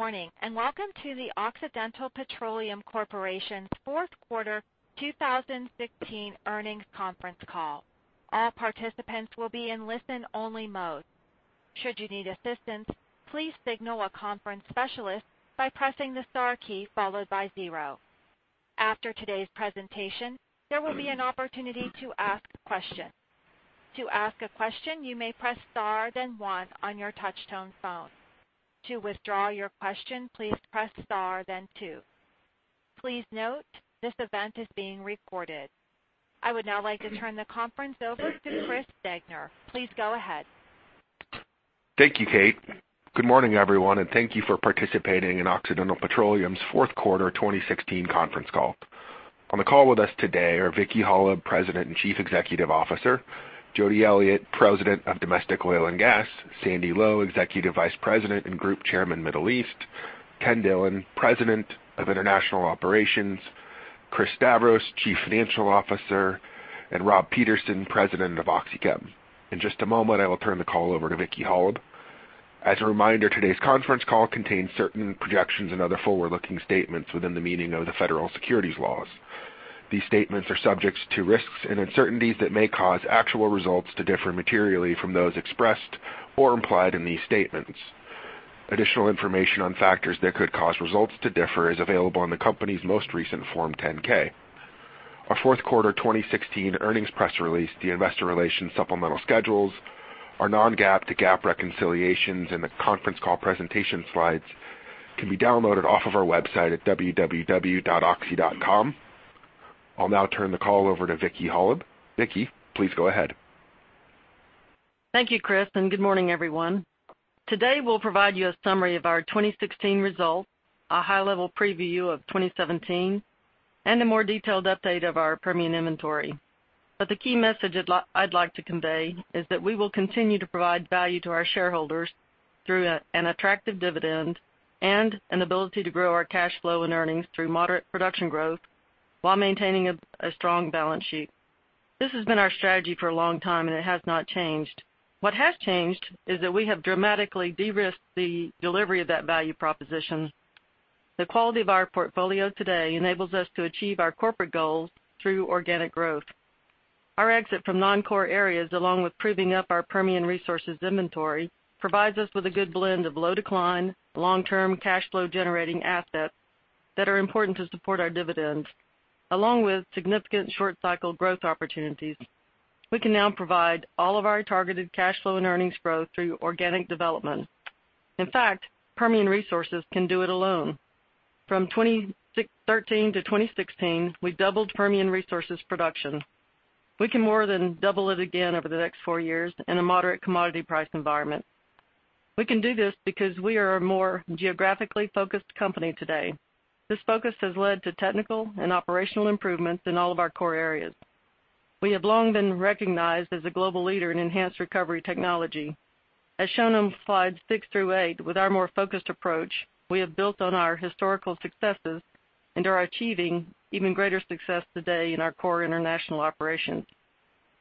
Good morning, and welcome to the Occidental Petroleum Corporation's fourth quarter 2016 earnings conference call. All participants will be in listen-only mode. Should you need assistance, please signal a conference specialist by pressing the star key followed by zero. After today's presentation, there will be an opportunity to ask questions. To ask a question, you may press star then one on your touchtone phone. To withdraw your question, please press star then two. Please note, this event is being recorded. I would now like to turn the conference over to Chris Degner. Please go ahead. Thank you, Kate. Good morning, everyone, and thank you for participating in Occidental Petroleum's fourth quarter 2016 conference call. On the call with us today are Vicki Hollub, President and Chief Executive Officer, Jody Elliott, President of Domestic Oil and Gas, Sandy Lowe, Executive Vice President and Group Chairman, Middle East, Kenneth Dillon, President of International Operations, Chris Stavros, Chief Financial Officer, and Robert Peterson, President of OxyChem. In just a moment, I will turn the call over to Vicki Hollub. As a reminder, today's conference call contains certain projections and other forward-looking statements within the meaning of the federal securities laws. These statements are subject to risks and uncertainties that may cause actual results to differ materially from those expressed or implied in these statements. Additional information on factors that could cause results to differ is available on the company's most recent Form 10-K. Our fourth quarter 2016 earnings press release, the investor relations supplemental schedules, our non-GAAP to GAAP reconciliations, and the conference call presentation slides can be downloaded off of our website at www.oxy.com. I'll now turn the call over to Vicki Hollub. Vicki, please go ahead. Thank you, Chris, and good morning, everyone. Today, we'll provide you a summary of our 2016 results, a high-level preview of 2017, and a more detailed update of our Permian inventory. The key message I'd like to convey is that we will continue to provide value to our shareholders through an attractive dividend and an ability to grow our cash flow and earnings through moderate production growth while maintaining a strong balance sheet. This has been our strategy for a long time, and it has not changed. What has changed is that we have dramatically de-risked the delivery of that value proposition. The quality of our portfolio today enables us to achieve our corporate goals through organic growth. Our exit from non-core areas, along with proving up our Permian Resources inventory, provides us with a good blend of low decline, long-term cash flow generating assets that are important to support our dividends, along with significant short cycle growth opportunities. We can now provide all of our targeted cash flow and earnings growth through organic development. In fact, Permian Resources can do it alone. From 2013 to 2016, we doubled Permian Resources production. We can more than double it again over the next four years in a moderate commodity price environment. We can do this because we are a more geographically focused company today. This focus has led to technical and operational improvements in all of our core areas. We have long been recognized as a global leader in enhanced recovery technology. As shown on slides six through eight, with our more focused approach, we have built on our historical successes and are achieving even greater success today in our core international operations.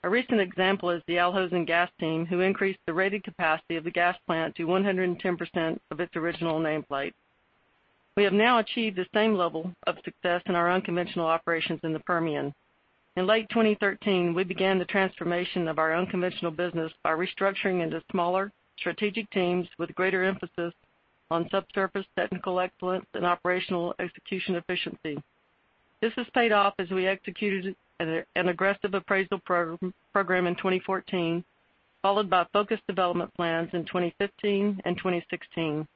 A recent example is the Al Hosn Gas team, who increased the rated capacity of the gas plant to 110% of its original nameplate. We have now achieved the same level of success in our unconventional operations in the Permian. In late 2013, we began the transformation of our unconventional business by restructuring into smaller strategic teams with greater emphasis on subsurface technical excellence and operational execution efficiency. This has paid off as we executed an aggressive appraisal program in 2014, followed by focused development plans in 2015 and 2016.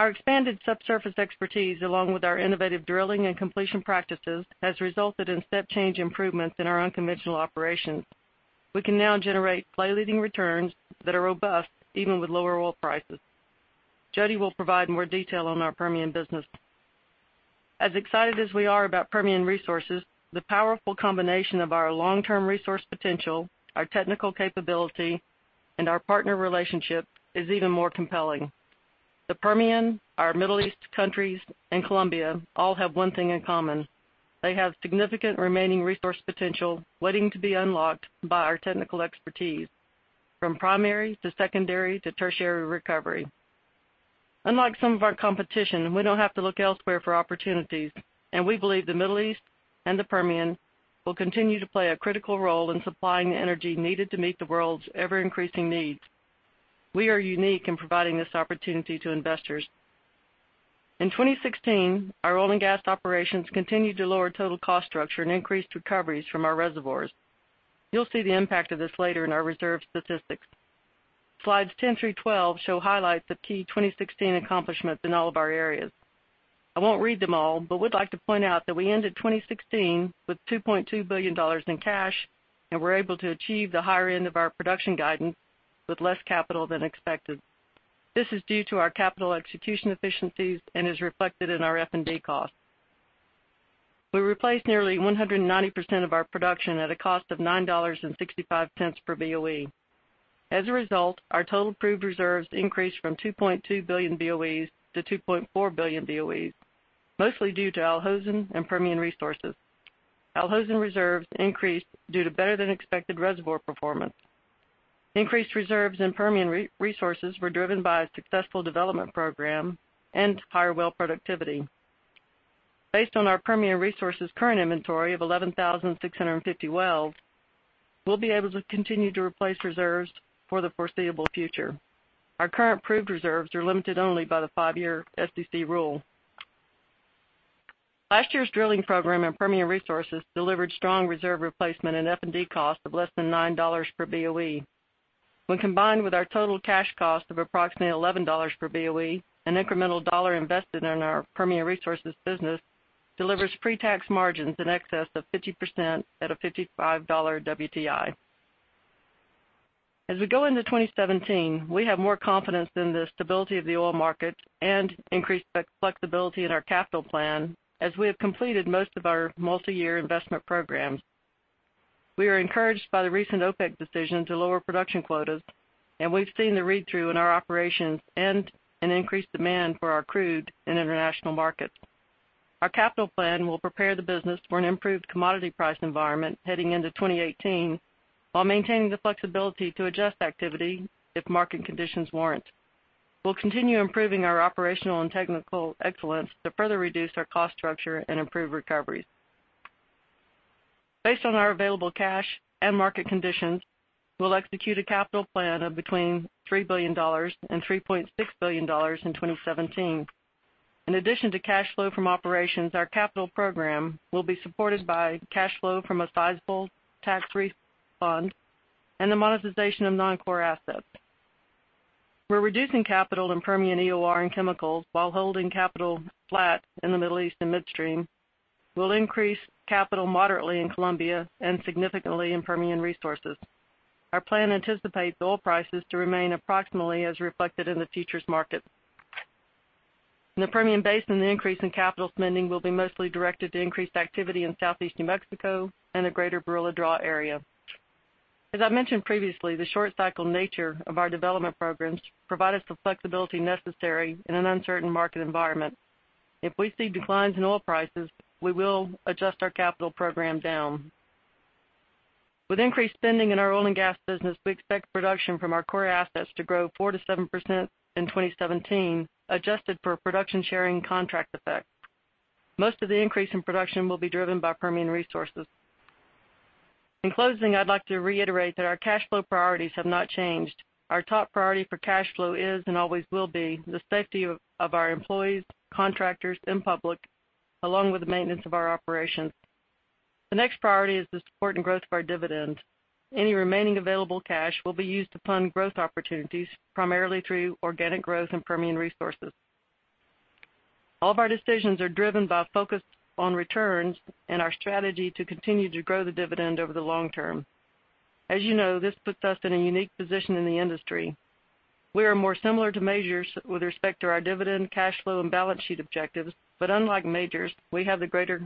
Our expanded subsurface expertise, along with our innovative drilling and completion practices, has resulted in step change improvements in our unconventional operations. We can now generate play-leading returns that are robust even with lower oil prices. Jody will provide more detail on our Permian business. As excited as we are about Permian Resources, the powerful combination of our long-term resource potential, our technical capability, and our partner relationship is even more compelling. The Permian, our Middle East countries, and Colombia all have one thing in common. They have significant remaining resource potential waiting to be unlocked by our technical expertise, from primary to secondary to tertiary recovery. Unlike some of our competition, we don't have to look elsewhere for opportunities, and we believe the Middle East and the Permian will continue to play a critical role in supplying the energy needed to meet the world's ever-increasing needs. We are unique in providing this opportunity to investors. In 2016, our oil and gas operations continued to lower total cost structure and increased recoveries from our reservoirs. You'll see the impact of this later in our reserve statistics. Slides 10 through 12 show highlights of key 2016 accomplishments in all of our areas. I won't read them all, but would like to point out that we ended 2016 with $2.2 billion in cash, and were able to achieve the higher end of our production guidance with less capital than expected. This is due to our capital execution efficiencies and is reflected in our F&D costs. We replaced nearly 190% of our production at a cost of $9.65 per BOE. As a result, our total proved reserves increased from 2.2 billion BOEs to 2.4 billion BOEs, mostly due to Al Hosn and Permian Resources. Al Hosn reserves increased due to better than expected reservoir performance. Increased reserves in Permian Resources were driven by a successful development program and higher well productivity. Based on our Permian Resources current inventory of 11,650 wells, we'll be able to continue to replace reserves for the foreseeable future. Our current proved reserves are limited only by the five-year SEC rule. Last year's drilling program in Permian Resources delivered strong reserve replacement and F&D costs of less than $9 per BOE. When combined with our total cash cost of approximately $11 per BOE, an incremental dollar invested in our Permian Resources business delivers pre-tax margins in excess of 50% at a $55 WTI. As we go into 2017, we have more confidence in the stability of the oil market and increased flexibility in our capital plan, as we have completed most of our multi-year investment programs. We are encouraged by the recent OPEC decision to lower production quotas, and we've seen the read-through in our operations and an increased demand for our crude in international markets. Our capital plan will prepare the business for an improved commodity price environment heading into 2018, while maintaining the flexibility to adjust activity if market conditions warrant. We'll continue improving our operational and technical excellence to further reduce our cost structure and improve recoveries. Based on our available cash and market conditions, we'll execute a capital plan of between $3 billion and $3.6 billion in 2017. In addition to cash flow from operations, our capital program will be supported by cash flow from a sizable tax-free fund and the monetization of non-core assets. We're reducing capital in Permian EOR and chemicals while holding capital flat in the Middle East and midstream. We'll increase capital moderately in Colombia and significantly in Permian Resources. Our plan anticipates oil prices to remain approximately as reflected in the futures market. In the Permian Basin, the increase in capital spending will be mostly directed to increased activity in southeast New Mexico and the greater Barilla Draw area. As I mentioned previously, the short cycle nature of our development programs provide us the flexibility necessary in an uncertain market environment. If we see declines in oil prices, we will adjust our capital program down. With increased spending in our oil and gas business, we expect production from our core assets to grow 4% to 7% in 2017, adjusted for production sharing contract effect. Most of the increase in production will be driven by Permian Resources. In closing, I'd like to reiterate that our cash flow priorities have not changed. Our top priority for cash flow is, and always will be, the safety of our employees, contractors, and public, along with the maintenance of our operations. The next priority is the support and growth of our dividend. Any remaining available cash will be used to fund growth opportunities, primarily through organic growth in Permian Resources. All of our decisions are driven by a focus on returns and our strategy to continue to grow the dividend over the long term. As you know, this puts us in a unique position in the industry. We are more similar to majors with respect to our dividend, cash flow, and balance sheet objectives, but unlike majors, we have the greater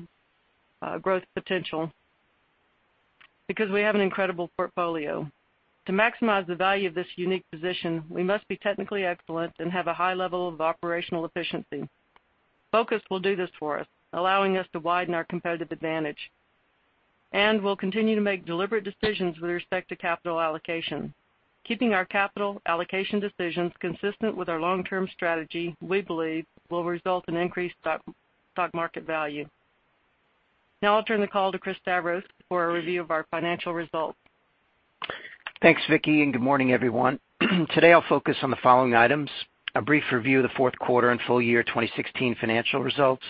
growth potential because we have an incredible portfolio. To maximize the value of this unique position, we must be technically excellent and have a high level of operational efficiency. Focus will do this for us, allowing us to widen our competitive advantage, and we'll continue to make deliberate decisions with respect to capital allocation. Keeping our capital allocation decisions consistent with our long-term strategy, we believe will result in increased stock market value. Now I'll turn the call to Chris Stavros for a review of our financial results. Thanks, Vicki, and good morning, everyone. Today, I'll focus on the following items: A brief review of the fourth quarter and full year 2016 financial results,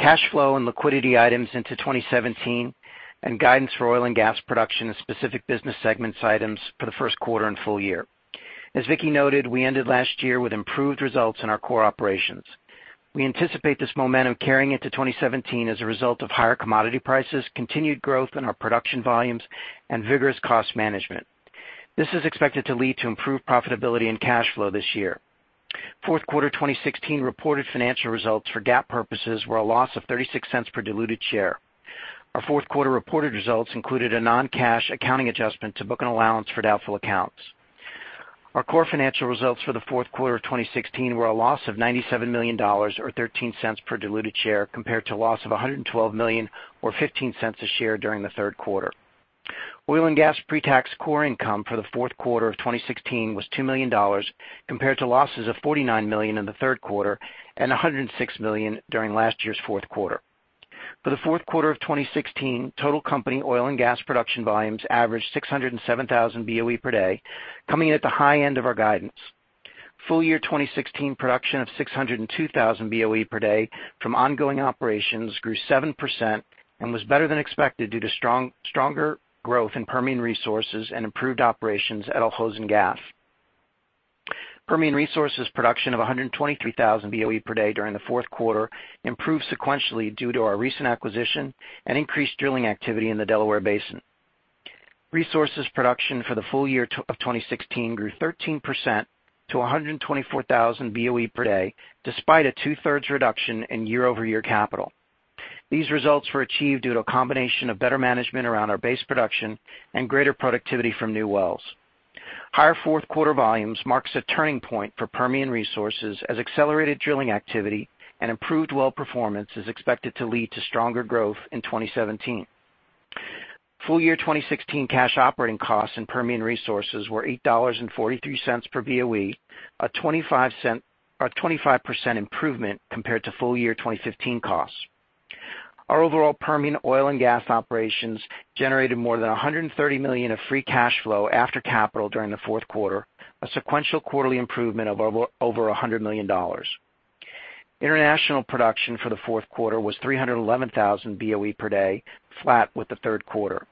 cash flow and liquidity items into 2017, and guidance for oil and gas production and specific business segments items for the first quarter and full year. As Vicki noted, we ended last year with improved results in our core operations. We anticipate this momentum carrying into 2017 as a result of higher commodity prices, continued growth in our production volumes, and vigorous cost management. This is expected to lead to improved profitability and cash flow this year. Fourth quarter 2016 reported financial results for GAAP purposes were a loss of $0.36 per diluted share. Our fourth quarter reported results included a non-cash accounting adjustment to book an allowance for doubtful accounts. Our core financial results for the fourth quarter of 2016 were a loss of $97 million, or $0.13 per diluted share, compared to a loss of $112 million or $0.15 a share during the third quarter. Oil and gas pre-tax core income for the fourth quarter of 2016 was $2 million, compared to losses of $49 million in the third quarter and $106 million during last year's fourth quarter. For the fourth quarter of 2016, total company oil and gas production volumes averaged 607,000 BOE per day, coming in at the high end of our guidance. Full year 2016 production of 602,000 BOE per day from ongoing operations grew 7% and was better than expected due to stronger growth in Permian Resources and improved operations at Al Hosn Gas. Permian Resources production of 123,000 BOE per day during the fourth quarter improved sequentially due to our recent acquisition and increased drilling activity in the Delaware Basin. Resources production for the full year of 2016 grew 13% to 124,000 BOE per day, despite a two-thirds reduction in year-over-year capital. These results were achieved due to a combination of better management around our base production and greater productivity from new wells. Higher fourth quarter volumes marks a turning point for Permian Resources as accelerated drilling activity and improved well performance is expected to lead to stronger growth in 2017. Full year 2016 cash operating costs in Permian Resources were $8.43 per BOE, a 25% improvement compared to full year 2015 costs. Our overall Permian oil and gas operations generated more than $130 million of free cash flow after capital during the fourth quarter, a sequential quarterly improvement of over $100 million. International production for the fourth quarter was 311,000 BOE per day, flat with the third quarter.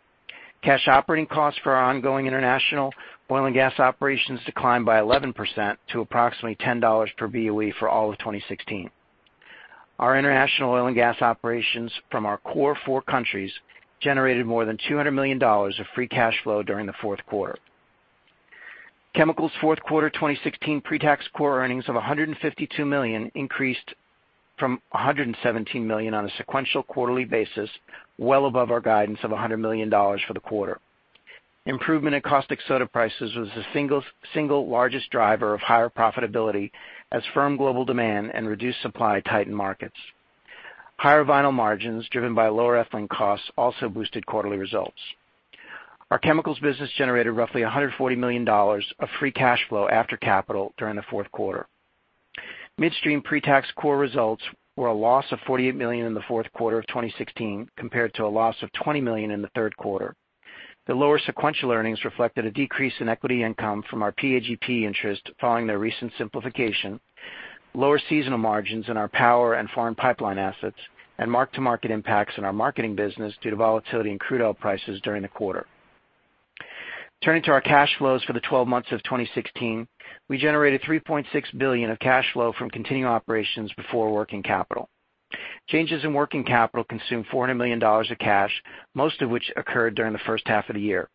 Cash operating costs for our ongoing international oil and gas operations declined by 11% to approximately $10 per BOE for all of 2016. Our international oil and gas operations from our core four countries generated more than $200 million of free cash flow during the fourth quarter. Chemicals' fourth quarter 2016 pre-tax core earnings of $152 million increased from $117 million on a sequential quarterly basis, well above our guidance of $100 million for the quarter. Improvement in caustic soda prices was the single largest driver of higher profitability as firm global demand and reduced supply tightened markets. Higher vinyl margins driven by lower ethylene costs also boosted quarterly results. Our chemicals business generated roughly $140 million of free cash flow after capital during the fourth quarter. Midstream pre-tax core results were a loss of $48 million in the fourth quarter of 2016 compared to a loss of $20 million in the third quarter. The lower sequential earnings reflected a decrease in equity income from our PAGP interest following their recent simplification, lower seasonal margins in our power and foreign pipeline assets, and mark-to-market impacts in our marketing business due to volatility in crude oil prices during the quarter. Turning to our cash flows for the 12 months of 2016, we generated $3.6 billion of cash flow from continuing operations before working capital. Changes in working capital consumed $400 million of cash, most of which occurred during the first half of the year.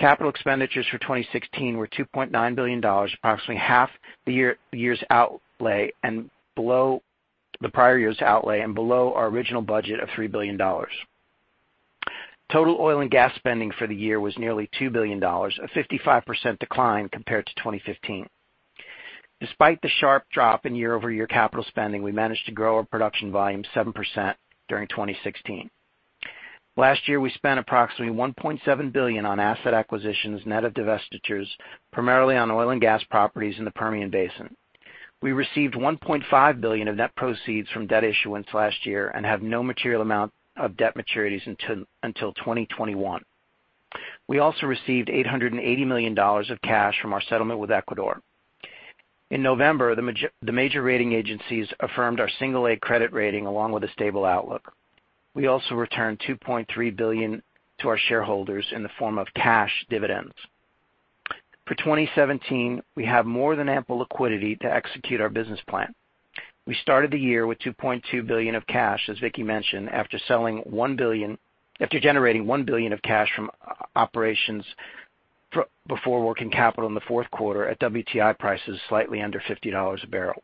Capital expenditures for 2016 were $2.9 billion, approximately half the year's outlay and below the prior year's outlay and below our original budget of $3 billion. Total oil and gas spending for the year was nearly $2 billion, a 55% decline compared to 2015. Despite the sharp drop in year-over-year capital spending, we managed to grow our production volume 7% during 2016. Last year, we spent approximately $1.7 billion on asset acquisitions net of divestitures, primarily on oil and gas properties in the Permian Basin. We received $1.5 billion of net proceeds from debt issuance last year and have no material amount of debt maturities until 2021. We also received $880 million of cash from our settlement with Ecuador. In November, the major rating agencies affirmed our single A credit rating along with a stable outlook. We also returned $2.3 billion to our shareholders in the form of cash dividends. For 2017, we have more than ample liquidity to execute our business plan. We started the year with $2.2 billion of cash, as Vicki mentioned, after generating $1 billion of cash from operations before working capital in the fourth quarter at WTI prices slightly under $50 a barrel.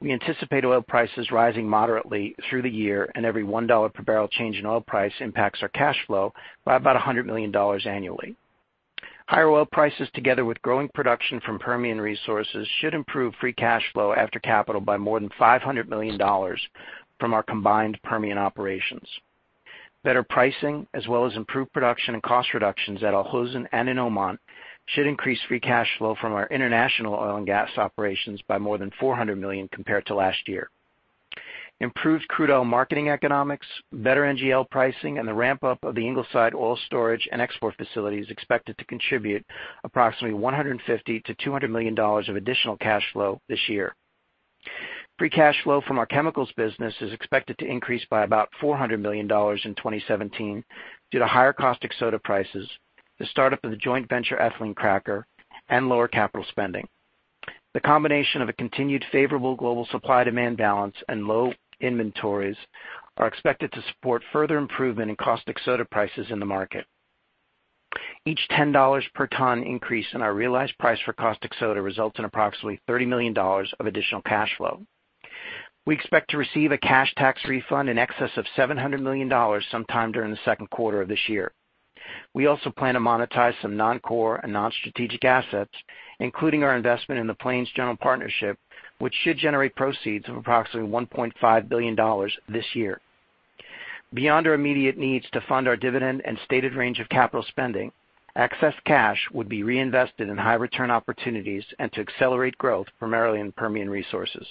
Every $1 per barrel change in oil price impacts our cash flow by about $100 million annually. Higher oil prices together with growing production from Permian Resources should improve free cash flow after capital by more than $500 million from our combined Permian operations. Better pricing as well as improved production and cost reductions at Al Hosn Gas and in Oman should increase free cash flow from our international oil and gas operations by more than $400 million compared to last year. Improved crude oil marketing economics, better NGL pricing, and the ramp-up of the Ingleside oil storage and export facility is expected to contribute approximately $150 million-$200 million of additional cash flow this year. Free cash flow from our chemicals business is expected to increase by about $400 million in 2017 due to higher caustic soda prices, the startup of the joint venture ethylene cracker, and lower capital spending. The combination of a continued favorable global supply-demand balance and low inventories are expected to support further improvement in caustic soda prices in the market. Each $10 per ton increase in our realized price for caustic soda results in approximately $30 million of additional cash flow. We expect to receive a cash tax refund in excess of $700 million sometime during the second quarter of this year. We also plan to monetize some non-core and non-strategic assets, including our investment in the Plains Joint Venture, which should generate proceeds of approximately $1.5 billion this year. Beyond our immediate needs to fund our dividend and stated range of capital spending, excess cash would be reinvested in high return opportunities and to accelerate growth primarily in Permian Resources.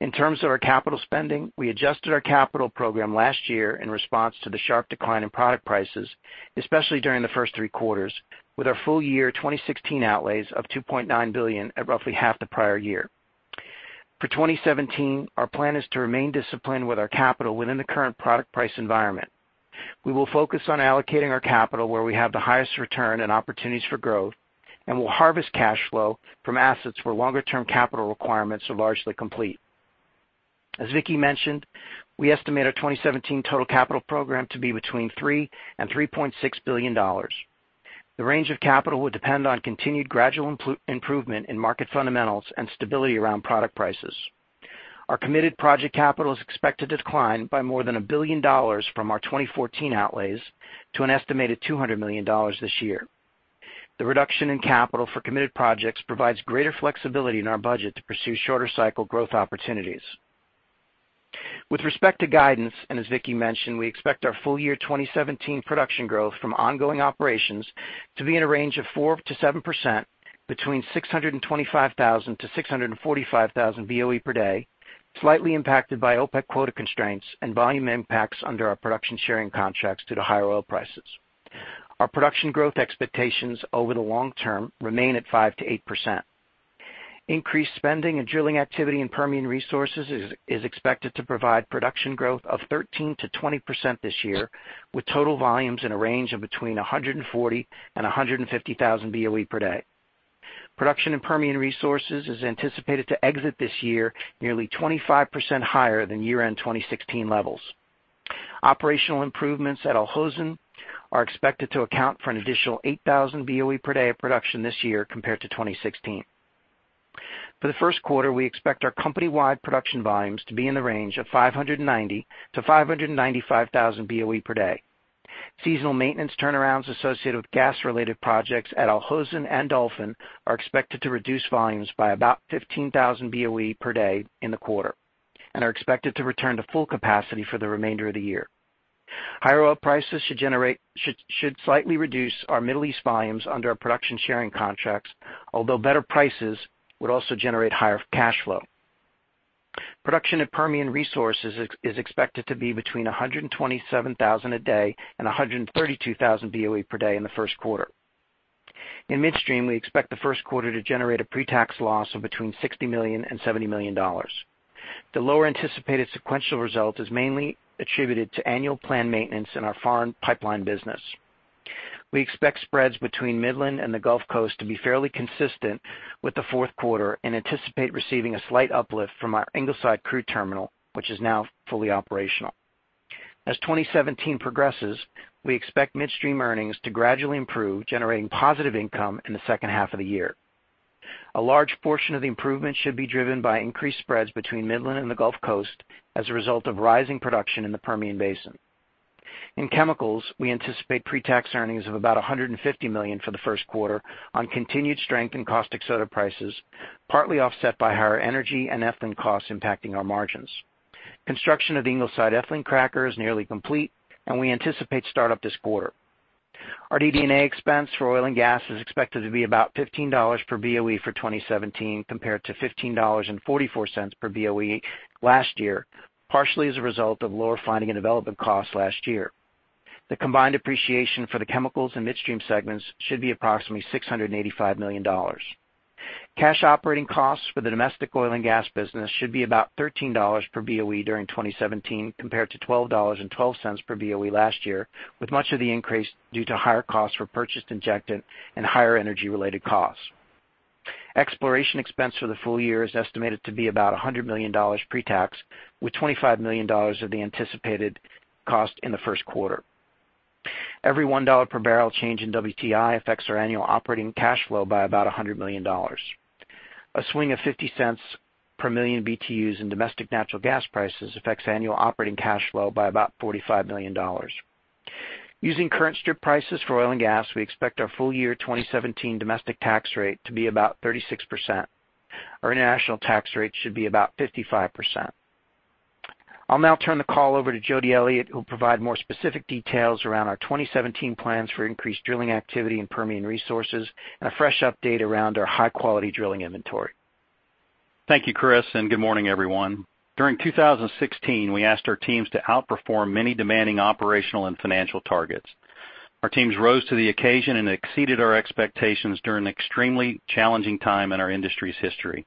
In terms of our capital spending, we adjusted our capital program last year in response to the sharp decline in product prices, especially during the first three quarters, with our full year 2016 outlays of $2.9 billion at roughly half the prior year. For 2017, our plan is to remain disciplined with our capital within the current product price environment. We will focus on allocating our capital where we have the highest return and opportunities for growth, and we will harvest cash flow from assets where longer-term capital requirements are largely complete. As Vicki mentioned, we estimate our 2017 total capital program to be between $3 billion-$3.6 billion. The range of capital will depend on continued gradual improvement in market fundamentals and stability around product prices. Our committed project capital is expected to decline by more than $1 billion from our 2014 outlays to an estimated $200 million this year. The reduction in capital for committed projects provides greater flexibility in our budget to pursue shorter cycle growth opportunities. With respect to guidance, and as Vicki mentioned, we expect our full year 2017 production growth from ongoing operations to be in a range of 4%-7%, between 625,000-645,000 BOE per day, slightly impacted by OPEC quota constraints and volume impacts under our production sharing contracts due to higher oil prices. Our production growth expectations over the long term remain at 5%-8%. Increased spending and drilling activity in Permian Resources is expected to provide production growth of 13%-20% this year, with total volumes in a range of between 140,000-150,000 BOE per day. Production in Permian Resources is anticipated to exit this year nearly 25% higher than year-end 2016 levels. Operational improvements at Al Hosn are expected to account for an additional 8,000 BOE per day of production this year compared to 2016. For the first quarter, we expect our company-wide production volumes to be in the range of 590,000-595,000 BOE per day. Seasonal maintenance turnarounds associated with gas-related projects at Al Hosn and Dolphin are expected to reduce volumes by about 15,000 BOE per day in the quarter, and are expected to return to full capacity for the remainder of the year. Higher oil prices should slightly reduce our Middle East volumes under our production sharing contracts, although better prices would also generate higher cash flow. Production at Permian Resources is expected to be between 127,000 a day and 132,000 BOE per day in the first quarter. In midstream, we expect the first quarter to generate a pre-tax loss of between $60 million and $70 million. The lower anticipated sequential result is mainly attributed to annual planned maintenance in our foreign pipeline business. We expect spreads between Midland and the Gulf Coast to be fairly consistent with the fourth quarter and anticipate receiving a slight uplift from our Ingleside crude terminal, which is now fully operational. As 2017 progresses, we expect midstream earnings to gradually improve, generating positive income in the second half of the year. A large portion of the improvement should be driven by increased spreads between Midland and the Gulf Coast as a result of rising production in the Permian Basin. In chemicals, we anticipate pre-tax earnings of about $150 million for the first quarter on continued strength in caustic soda prices, partly offset by higher energy and ethylene costs impacting our margins. Construction of the Ingleside ethylene cracker is nearly complete, and we anticipate startup this quarter. Our DD&A expense for oil and gas is expected to be about $15 per BOE for 2017, compared to $15.44 per BOE last year, partially as a result of lower finding and development costs last year. The combined depreciation for the chemicals and midstream segments should be approximately $685 million. Cash operating costs for the domestic oil and gas business should be about $13 per BOE during 2017, compared to $12.12 per BOE last year, with much of the increase due to higher costs for purchased injectant and higher energy-related costs. Exploration expense for the full year is estimated to be about $100 million pre-tax, with $25 million of the anticipated cost in the first quarter. Every $1 per barrel change in WTI affects our annual operating cash flow by about $100 million. A swing of $0.50 per million BTUs in domestic natural gas prices affects annual operating cash flow by about $45 million. Using current strip prices for oil and gas, we expect our full year 2017 domestic tax rate to be about 36%. Our international tax rate should be about 55%. I'll now turn the call over to Jody Elliott, who'll provide more specific details around our 2017 plans for increased drilling activity in Permian Resources and a fresh update around our high-quality drilling inventory. Thank you, Chris, and good morning, everyone. During 2016, we asked our teams to outperform many demanding operational and financial targets. Our teams rose to the occasion and exceeded our expectations during an extremely challenging time in our industry's history.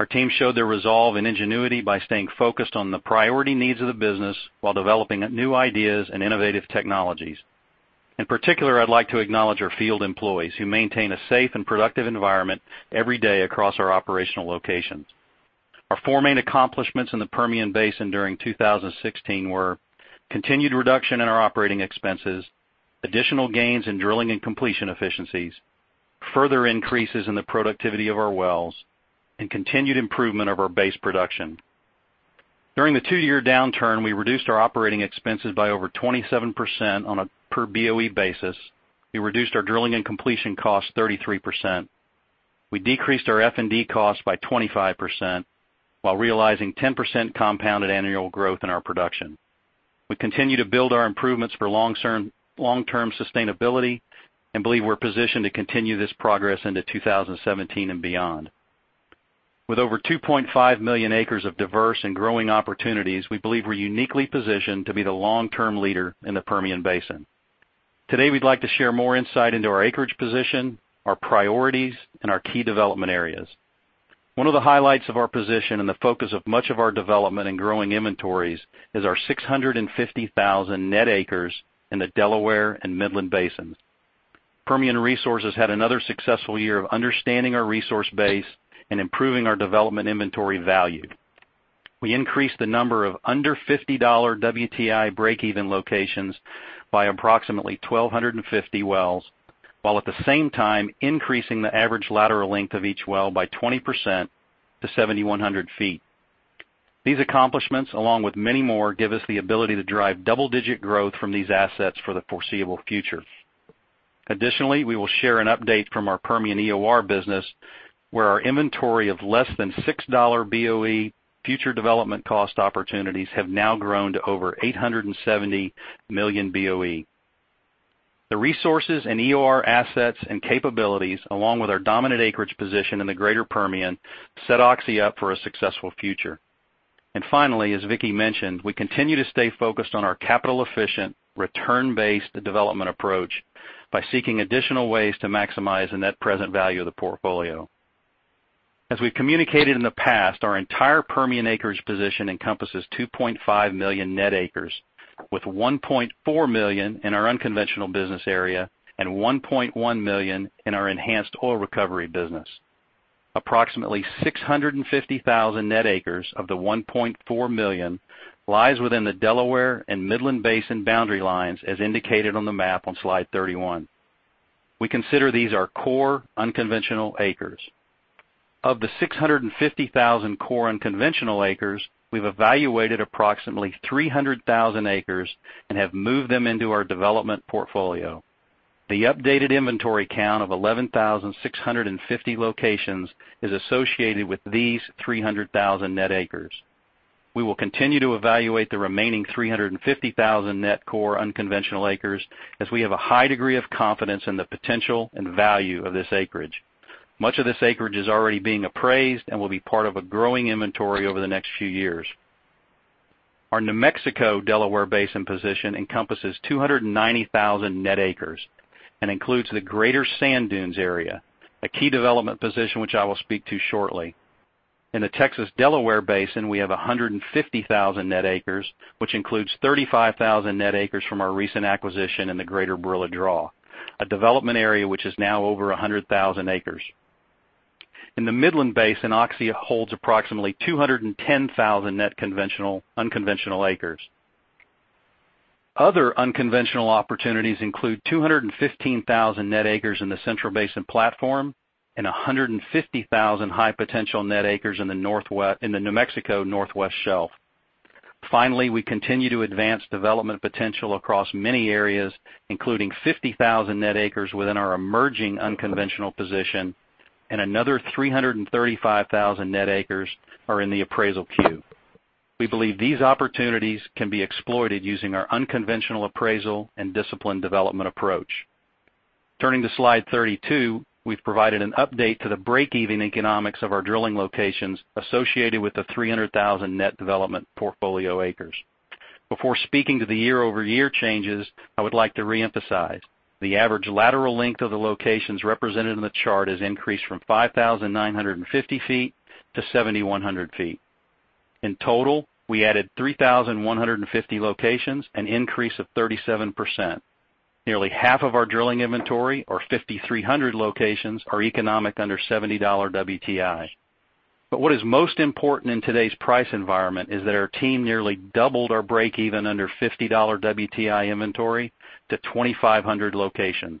Our team showed their resolve and ingenuity by staying focused on the priority needs of the business while developing new ideas and innovative technologies. In particular, I'd like to acknowledge our field employees, who maintain a safe and productive environment every day across our operational locations. Our four main accomplishments in the Permian Basin during 2016 were: continued reduction in our operating expenses, additional gains in drilling and completion efficiencies, further increases in the productivity of our wells, and continued improvement of our base production. During the two-year downturn, we reduced our operating expenses by over 27% on a per BOE basis. We reduced our drilling and completion costs 33%. We decreased our F&D costs by 25%, while realizing 10% compounded annual growth in our production. We continue to build our improvements for long-term sustainability and believe we're positioned to continue this progress into 2017 and beyond. With over 2.5 million acres of diverse and growing opportunities, we believe we're uniquely positioned to be the long-term leader in the Permian Basin. Today, we'd like to share more insight into our acreage position, our priorities, and our key development areas. One of the highlights of our position and the focus of much of our development and growing inventories is our 650,000 net acres in the Delaware and Midland basins. Permian Resources had another successful year of understanding our resource base and improving our development inventory value. We increased the number of under-$50 WTI breakeven locations by approximately 1,250 wells, while at the same time increasing the average lateral length of each well by 20% to 7,100 feet. Additionally, we will share an update from our Permian EOR business, where our inventory of less than $6 BOE future development cost opportunities have now grown to over 870 million BOE. The resources and EOR assets and capabilities, along with our dominant acreage position in the greater Permian, set Oxy up for a successful future. Finally, as Vicki mentioned, we continue to stay focused on our capital-efficient, return-based development approach by seeking additional ways to maximize the net present value of the portfolio. As we've communicated in the past, our entire Permian acreage position encompasses 2.5 million net acres, with 1.4 million in our unconventional business area and 1.1 million in our enhanced oil recovery business. Approximately 650,000 net acres of the 1.4 million lies within the Delaware and Midland Basin boundary lines, as indicated on the map on slide 31. We consider these our core unconventional acres. Of the 650,000 core unconventional acres, we've evaluated approximately 300,000 acres and have moved them into our development portfolio. The updated inventory count of 11,650 locations is associated with these 300,000 net acres. We will continue to evaluate the remaining 350,000 net core unconventional acres, as we have a high degree of confidence in the potential and value of this acreage. Much of this acreage is already being appraised and will be part of a growing inventory over the next few years. Our New Mexico-Delaware Basin position encompasses 290,000 net acres and includes the Greater Sand Dunes area, a key development position which I will speak to shortly. In the Texas Delaware Basin, we have 150,000 net acres, which includes 35,000 net acres from our recent acquisition in the Greater Barilla Draw, a development area which is now over 100,000 acres. In the Midland Basin, Oxy holds approximately 210,000 net unconventional acres. Other unconventional opportunities include 215,000 net acres in the Central Basin Platform and 150,000 high-potential net acres in the New Mexico Northwest Shelf. Finally, we continue to advance development potential across many areas, including 50,000 net acres within our emerging unconventional position, and another 335,000 net acres are in the appraisal queue. We believe these opportunities can be exploited using our unconventional appraisal and disciplined development approach. Turning to slide 32, we've provided an update to the break-even economics of our drilling locations associated with the 300,000 net development portfolio acres. Before speaking to the year-over-year changes, I would like to reemphasize. The average lateral length of the locations represented in the chart has increased from 5,950 feet to 7,100 feet. In total, we added 3,150 locations, an increase of 37%. Nearly half of our drilling inventory, or 5,300 locations, are economic under $70 WTI. What is most important in today's price environment is that our team nearly doubled our break even under $50 WTI inventory to 2,500 locations.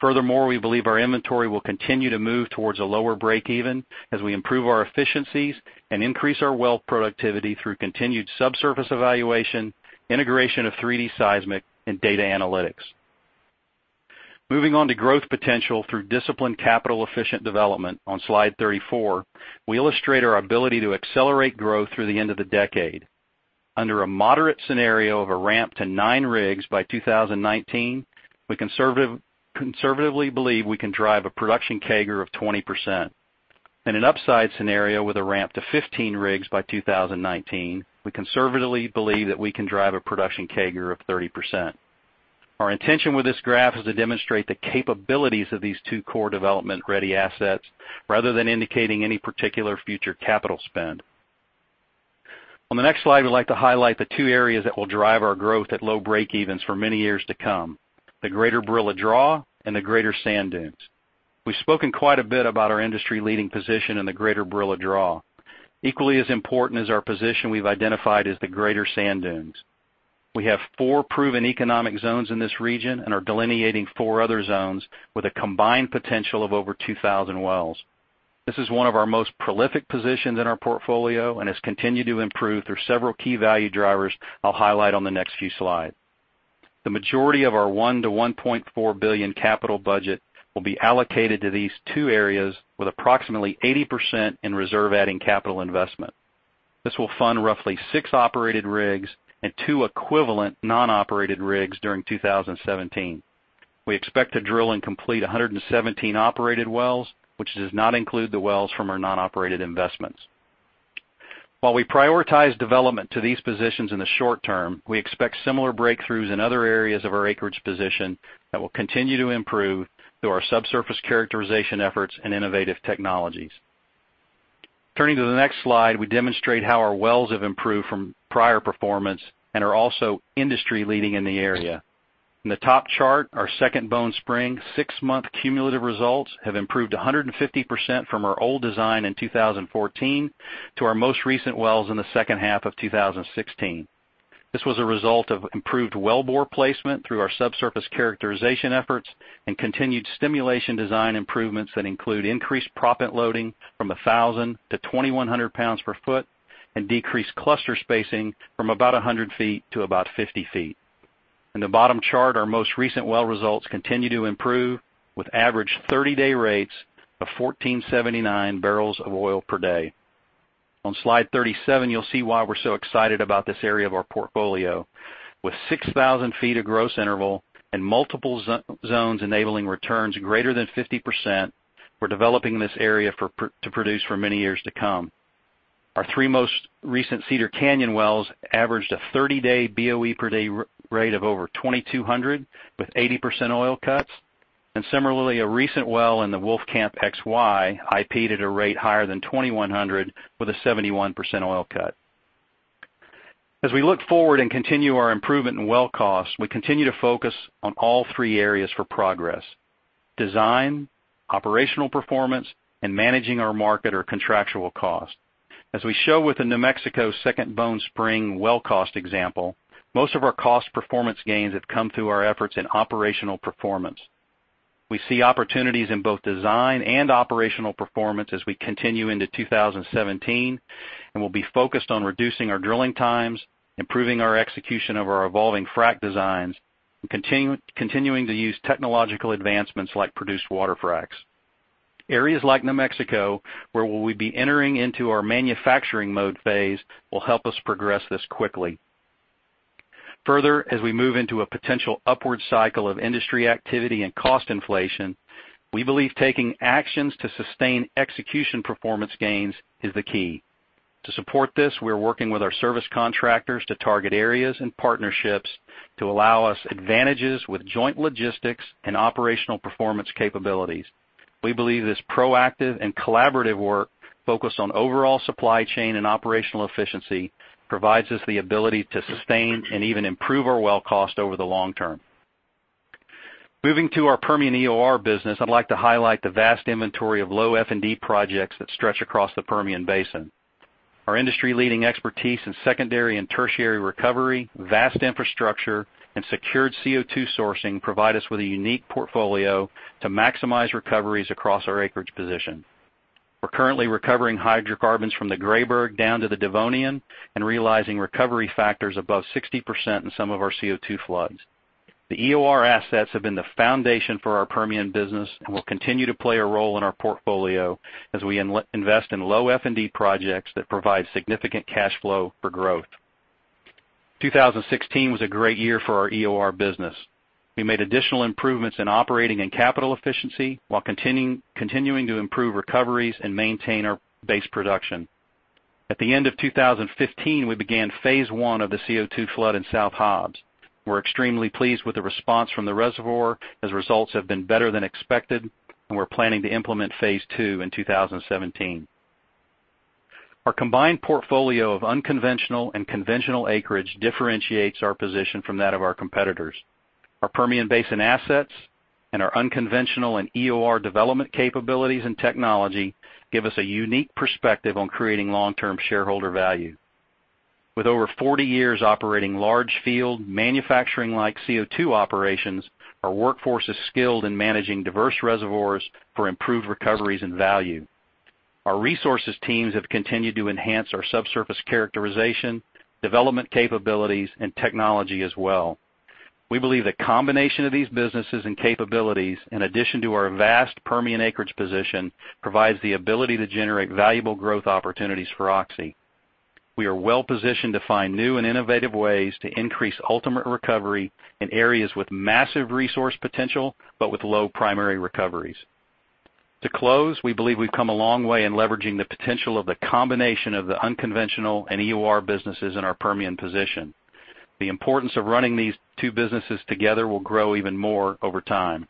Furthermore, we believe our inventory will continue to move towards a lower break even as we improve our efficiencies and increase our well productivity through continued subsurface evaluation, integration of 3D seismic, and data analytics. Moving on to growth potential through disciplined capital efficient development. On slide 34, we illustrate our ability to accelerate growth through the end of the decade. Under a moderate scenario of a ramp to nine rigs by 2019, we conservatively believe we can drive a production CAGR of 20%. In an upside scenario with a ramp to 15 rigs by 2019, we conservatively believe that we can drive a production CAGR of 30%. Our intention with this graph is to demonstrate the capabilities of these two core development-ready assets rather than indicating any particular future capital spend. On the next slide, we'd like to highlight the two areas that will drive our growth at low break evens for many years to come, the Greater Barilla Draw and the Greater Sand Dunes. We've spoken quite a bit about our industry-leading position in the Greater Barilla Draw. Equally as important is our position we've identified as the Greater Sand Dunes. We have four proven economic zones in this region and are delineating four other zones with a combined potential of over 2,000 wells. This is one of our most prolific positions in our portfolio and has continued to improve through several key value drivers I'll highlight on the next few slides. The majority of our $1 billion-$1.4 billion capital budget will be allocated to these two areas, with approximately 80% in reserve adding capital investment. This will fund roughly six operated rigs and two equivalent non-operated rigs during 2017. We expect to drill and complete 117 operated wells, which does not include the wells from our non-operated investments. While we prioritize development to these positions in the short term, we expect similar breakthroughs in other areas of our acreage position that will continue to improve through our subsurface characterization efforts and innovative technologies. Turning to the next slide, we demonstrate how our wells have improved from prior performance and are also industry-leading in the area. In the top chart, our second Bone Spring 6-month cumulative results have improved 150% from our old design in 2014 to our most recent wells in the second half of 2016. This was a result of improved wellbore placement through our subsurface characterization efforts and continued stimulation design improvements that include increased proppant loading from 1,000 to 2,100 pounds per foot. Decreased cluster spacing from about 100 feet to about 50 feet. In the bottom chart, our most recent well results continue to improve, with average 30-day rates of 1,479 barrels of oil per day. On slide 37, you'll see why we're so excited about this area of our portfolio. With 6,000 feet of gross interval and multiple zones enabling returns greater than 50%, we're developing this area to produce for many years to come. Our three most recent Cedar Canyon wells averaged a 30-day BOE per day rate of over 2,200, with 80% oil cuts. Similarly, a recent well in the Wolfcamp XY IP'd at a rate higher than 2,100, with a 71% oil cut. As we look forward and continue our improvement in well costs, we continue to focus on all three areas for progress: design, operational performance, and managing our market or contractual cost. As we show with the New Mexico Second Bone Spring well cost example, most of our cost performance gains have come through our efforts in operational performance. We see opportunities in both design and operational performance as we continue into 2017. We'll be focused on reducing our drilling times, improving our execution of our evolving frac designs, and continuing to use technological advancements like produced water fracs. Areas like New Mexico, where we'll be entering into our manufacturing mode phase, will help us progress this quickly. Further, as we move into a potential upward cycle of industry activity and cost inflation, we believe taking actions to sustain execution performance gains is the key. To support this, we're working with our service contractors to target areas and partnerships to allow us advantages with joint logistics and operational performance capabilities. We believe this proactive and collaborative work, focused on overall supply chain and operational efficiency, provides us the ability to sustain and even improve our well cost over the long term. Moving to our Permian EOR business, I'd like to highlight the vast inventory of low F&D projects that stretch across the Permian Basin. Our industry-leading expertise in secondary and tertiary recovery, vast infrastructure, and secured CO2 sourcing provide us with a unique portfolio to maximize recoveries across our acreage position. We're currently recovering hydrocarbons from the Grayburg down to the Devonian and realizing recovery factors above 60% in some of our CO2 floods. The EOR assets have been the foundation for our Permian business and will continue to play a role in our portfolio as we invest in low F&D projects that provide significant cash flow for growth. 2016 was a great year for our EOR business. We made additional improvements in operating and capital efficiency while continuing to improve recoveries and maintain our base production. At the end of 2015, we began phase 1 of the CO2 flood in South Hobbs. We're extremely pleased with the response from the reservoir, as results have been better than expected, and we're planning to implement phase 2 in 2017. Our combined portfolio of unconventional and conventional acreage differentiates our position from that of our competitors. Our Permian Basin assets and our unconventional and EOR development capabilities and technology give us a unique perspective on creating long-term shareholder value. With over 40 years operating large field manufacturing-like CO2 operations, our workforce is skilled in managing diverse reservoirs for improved recoveries and value. Our resources teams have continued to enhance our subsurface characterization, development capabilities, and technology as well. We believe the combination of these businesses and capabilities, in addition to our vast Permian acreage position, provides the ability to generate valuable growth opportunities for Oxy. We are well-positioned to find new and innovative ways to increase ultimate recovery in areas with massive resource potential, but with low primary recoveries. To close, we believe we've come a long way in leveraging the potential of the combination of the unconventional and EOR businesses in our Permian position. The importance of running these two businesses together will grow even more over time.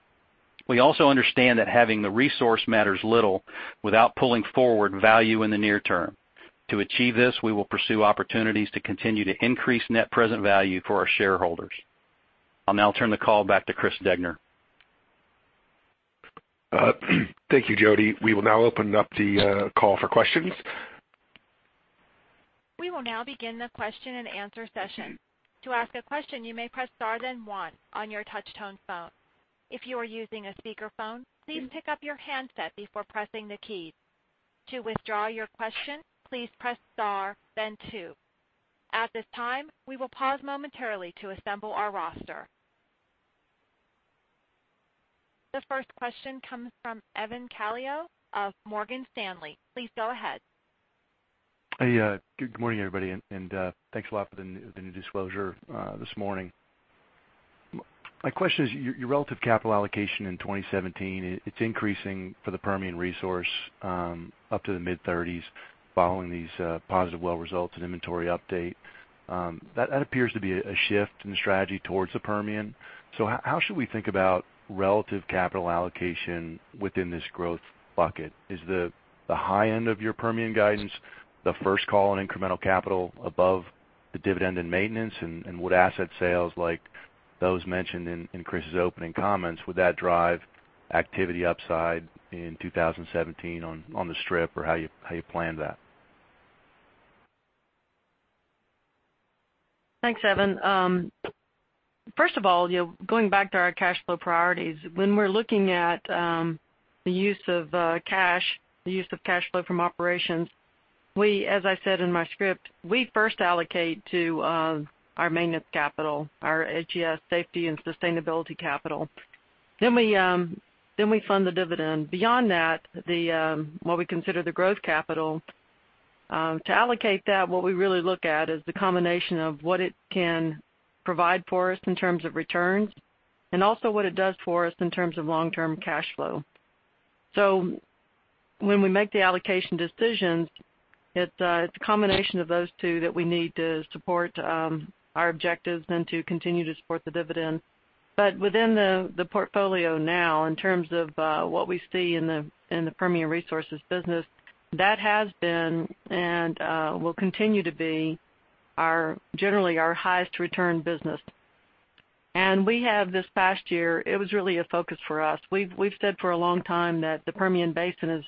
We also understand that having the resource matters little without pulling forward value in the near term. To achieve this, we will pursue opportunities to continue to increase net present value for our shareholders. I'll now turn the call back to Chris Degner. Thank you, Jody. We will now open up the call for questions. We will now begin the question and answer session. To ask a question, you may press star then one on your touch-tone phone. If you are using a speakerphone, please pick up your handset before pressing the key. To withdraw your question, please press star then two. At this time, we will pause momentarily to assemble our roster. The first question comes from Evan Calio of Morgan Stanley. Please go ahead. Hey, good morning, everybody, thanks a lot for the new disclosure this morning. My question is, your relative capital allocation in 2017, it's increasing for the Permian Resources up to the mid-30s following these positive well results and inventory update. That appears to be a shift in strategy towards the Permian. How should we think about relative capital allocation within this growth bucket? Is the high end of your Permian guidance the first call on incremental capital above the dividend and maintenance? Would asset sales, like those mentioned in Chris's opening comments, would that drive activity upside in 2017 on the strip? How are you planning that? Thanks, Evan. First of all, going back to our cash flow priorities, when we're looking at the use of cash flow from operations, as I said in my script, we first allocate to our maintenance capital, our HES safety and sustainability capital, then we fund the dividend. Beyond that, what we consider the growth capital, to allocate that, what we really look at is the combination of what it can provide for us in terms of returns, and also what it does for us in terms of long-term cash flow. When we make the allocation decisions, it's a combination of those two that we need to support our objectives and to continue to support the dividend. Within the portfolio now, in terms of what we see in the Permian Resources business, that has been, and will continue to be, generally our highest return business. We have this past year, it was really a focus for us. We've said for a long time that the Permian Basin is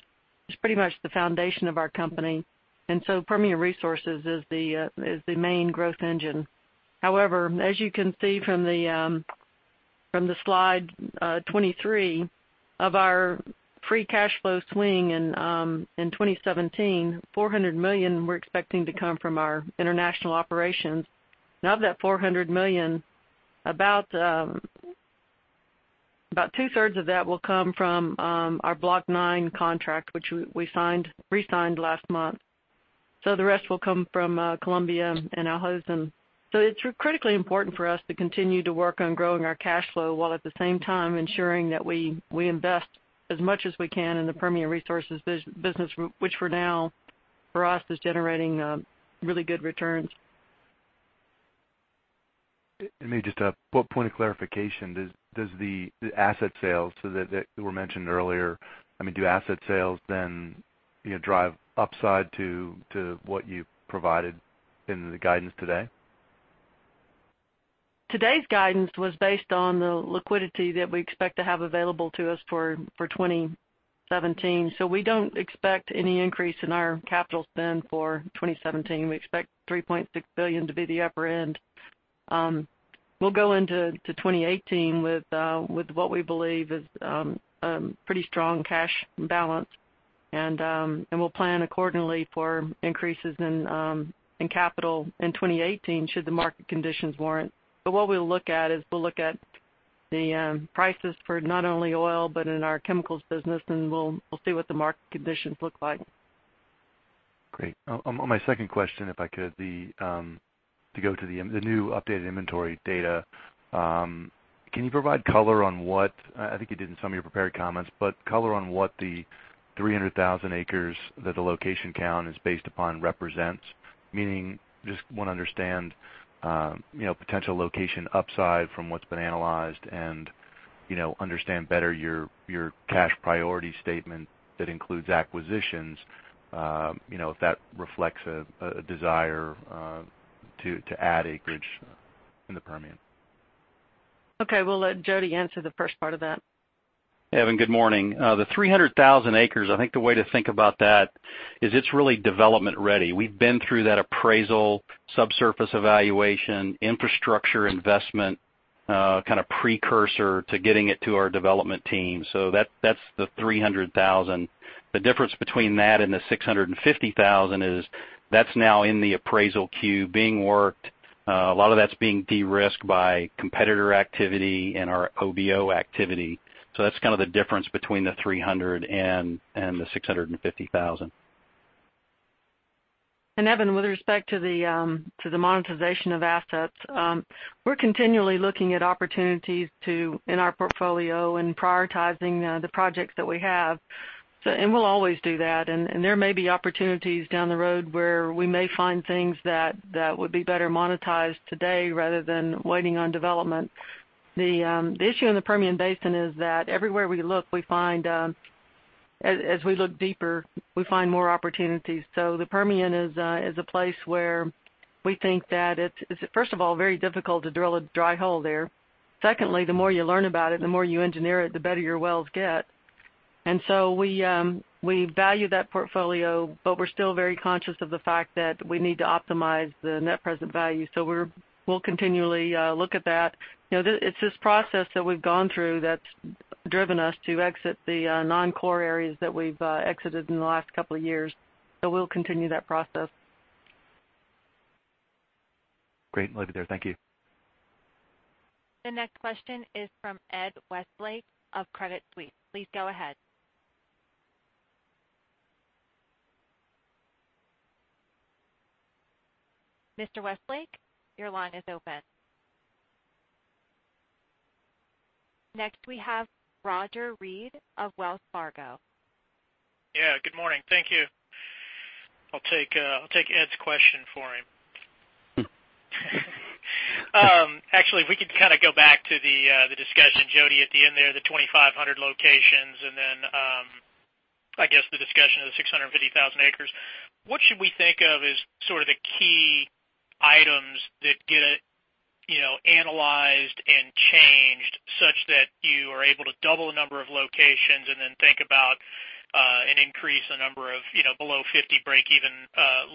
pretty much the foundation of our company, Permian Resources is the main growth engine. However, as you can see from the slide 23 of our free cash flow swing in 2017, $400 million we're expecting to come from our international operations. Of that $400 million, about 2/3 of that will come from our Block 9 contract, which we re-signed last month. The rest will come from Colombia and Al Hosn. It's critically important for us to continue to work on growing our cash flow, while at the same time ensuring that we invest as much as we can in the Permian Resources business, which for now, for us, is generating really good returns. Maybe just a point of clarification. Does the asset sales that were mentioned earlier, do asset sales then drive upside to what you provided in the guidance today? Today's guidance was based on the liquidity that we expect to have available to us for 2017. We don't expect any increase in our capital spend for 2017. We expect $3.6 billion to be the upper end. We'll go into 2018 with what we believe is a pretty strong cash balance, and we'll plan accordingly for increases in capital in 2018 should the market conditions warrant. What we'll look at is we'll look at the prices for not only oil, but in our chemicals business, and we'll see what the market conditions look like. Great. On my second question, if I could, to go to the new updated inventory data. Can you provide color on what, I think you did in some of your prepared comments, but color on what the 300,000 acres that the location count is based upon represents? Meaning, just want to understand potential location upside from what's been analyzed and understand better your cash priority statement that includes acquisitions, if that reflects a desire to add acreage in the Permian. Okay. We'll let Jody answer the first part of that. Evan, good morning. The 300,000 acres, I think the way to think about that is it's really development ready. We've been through that appraisal, subsurface evaluation, infrastructure investment kind of precursor to getting it to our development team. That's the 300,000. The difference between that and the 650,000 is that's now in the appraisal queue being worked. A lot of that's being de-risked by competitor activity and our OBO activity. That's kind of the difference between the 300 and the 650,000. Evan, with respect to the monetization of assets, we're continually looking at opportunities in our portfolio and prioritizing the projects that we have. We'll always do that. There may be opportunities down the road where we may find things that would be better monetized today rather than waiting on development. The issue in the Permian Basin is that everywhere we look, as we look deeper, we find more opportunities. The Permian is a place where we think that it's, first of all, very difficult to drill a dry hole there. Secondly, the more you learn about it, the more you engineer it, the better your wells get. We value that portfolio, but we're still very conscious of the fact that we need to optimize the net present value. We'll continually look at that. It's this process that we've gone through that's driven us to exit the non-core areas that we've exited in the last couple of years. We'll continue that process. Great. I'll leave it there. Thank you. The next question is from Edward Westlake of Credit Suisse. Please go ahead. Mr. Westlake, your line is open. Next, we have Roger Read of Wells Fargo. Yeah, good morning. Thank you. I'll take Ed's question for him. Actually, if we could kind of go back to the discussion, Jody, at the end there, the 2,500 locations, and then, I guess the discussion of the 650,000 acres. What should we think of as sort of the key items that get analyzed and changed such that you are able to double the number of locations and then think about an increase the number of below 50 breakeven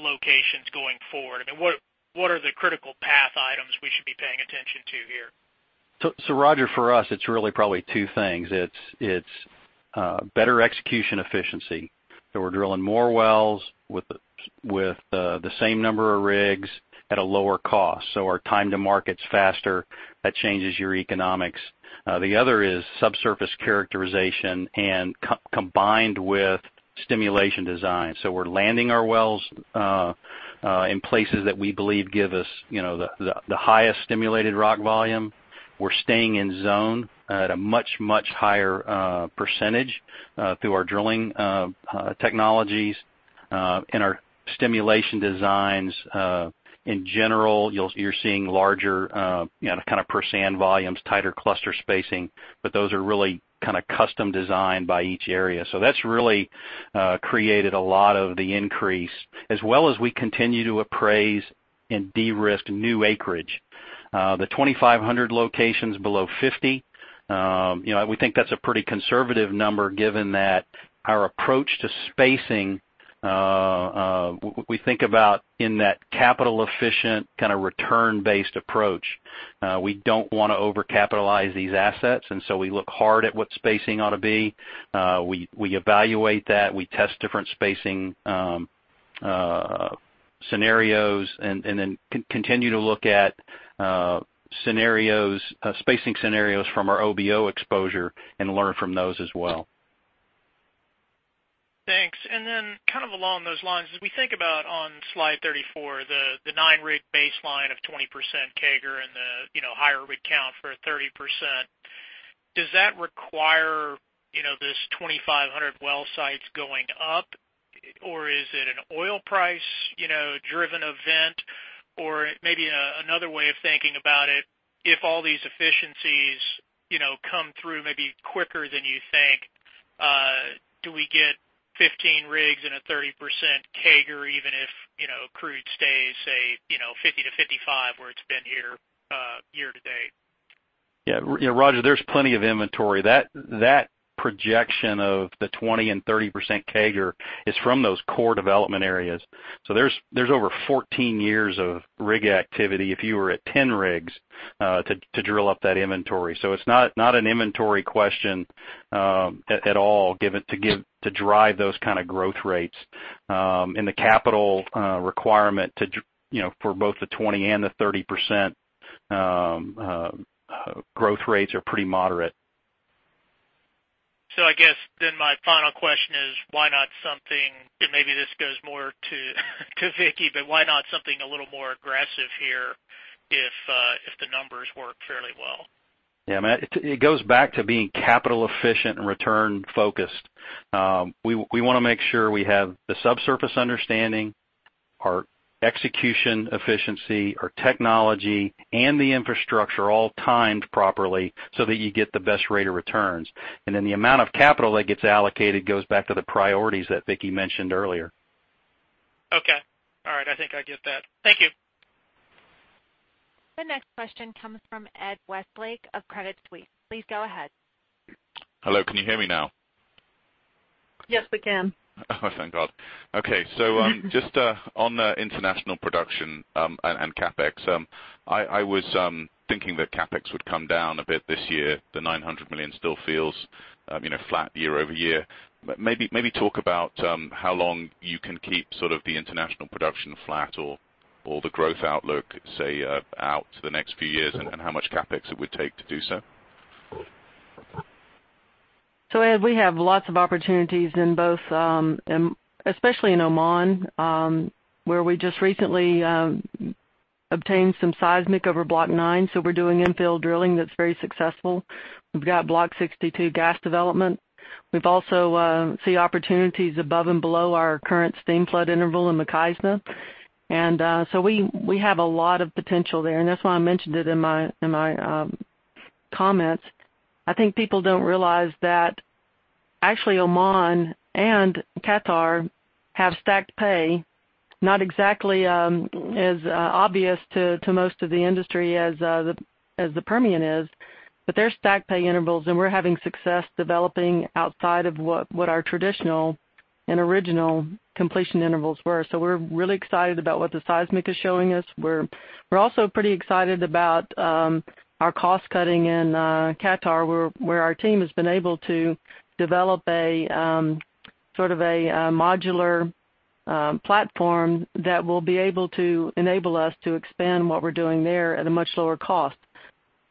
locations going forward. I mean, what are the critical path items we should be paying attention to here? Roger, for us, it's really probably two things. It's better execution efficiency. We're drilling more wells with the same number of rigs at a lower cost. Our time to market's faster. That changes your economics. The other is subsurface characterization and combined with stimulation design. We're landing our wells in places that we believe give us the highest stimulated rock volume. We're staying in zone at a much higher percentage through our drilling technologies and our stimulation designs. In general, you're seeing larger kind of per sand volumes, tighter cluster spacing, but those are really kind of custom designed by each area. That's really created a lot of the increase. As well as we continue to appraise and de-risk new acreage. The 2,500 locations below 50, we think that's a pretty conservative number given that our approach to spacing, we think about in that capital efficient kind of return-based approach. We don't want to over-capitalize these assets. We look hard at what spacing ought to be. We evaluate that, we test different spacing scenarios, and then continue to look at spacing scenarios from our OBO exposure and learn from those as well. Thanks. Then kind of along those lines, as we think about on slide 34, the nine-rig baseline of 20% CAGR and the higher rig count for 30%, does that require this 2,500 well sites going up, or is it an oil price-driven event? Maybe another way of thinking about it, if all these efficiencies come through maybe quicker than you think, do we get 15 rigs and a 30% CAGR, even if crude stays, say, 50 to 55 where it's been year to date? Roger, there's plenty of inventory. That projection of the 20% and 30% CAGR is from those core development areas. There's over 14 years of rig activity if you were at 10 rigs to drill up that inventory. It's not an inventory question at all to drive those kind of growth rates. The capital requirement for both the 20% and the 30% growth rates are pretty moderate. I guess my final question is why not something, and maybe this goes more to Vicki, why not something a little more aggressive here if the numbers work fairly well? Yeah, man, it goes back to being capital efficient and return focused. We want to make sure we have the subsurface understanding, our execution efficiency, our technology, and the infrastructure all timed properly so that you get the best rate of returns. The amount of capital that gets allocated goes back to the priorities that Vicki mentioned earlier. Okay. All right. I think I get that. Thank you. The next question comes from Edward Westlake of Credit Suisse. Please go ahead. Hello, can you hear me now? Yes, we can. Oh, thank God. Okay. Just on the international production, and CapEx. I was thinking that CapEx would come down a bit this year. The $900 million still feels flat year-over-year. Maybe talk about how long you can keep sort of the international production flat or the growth outlook, say, out to the next few years, and how much CapEx it would take to do so. Ed, we have lots of opportunities in both, especially in Oman, where we just recently obtained some seismic over Block 9. We're doing infill drilling that's very successful. We've got Block 62 gas development. We also see opportunities above and below our current steam flood interval in Mukhaizna. We have a lot of potential there, and that's why I mentioned it in my comments. I think people don't realize that actually Oman and Qatar have stacked pay, not exactly as obvious to most of the industry as the Permian is, but they're stacked pay intervals, and we're having success developing outside of what our traditional and original completion intervals were. We're really excited about what the seismic is showing us. We're also pretty excited about our cost cutting in Qatar, where our team has been able to develop a sort of a modular platform that will be able to enable us to expand what we're doing there at a much lower cost.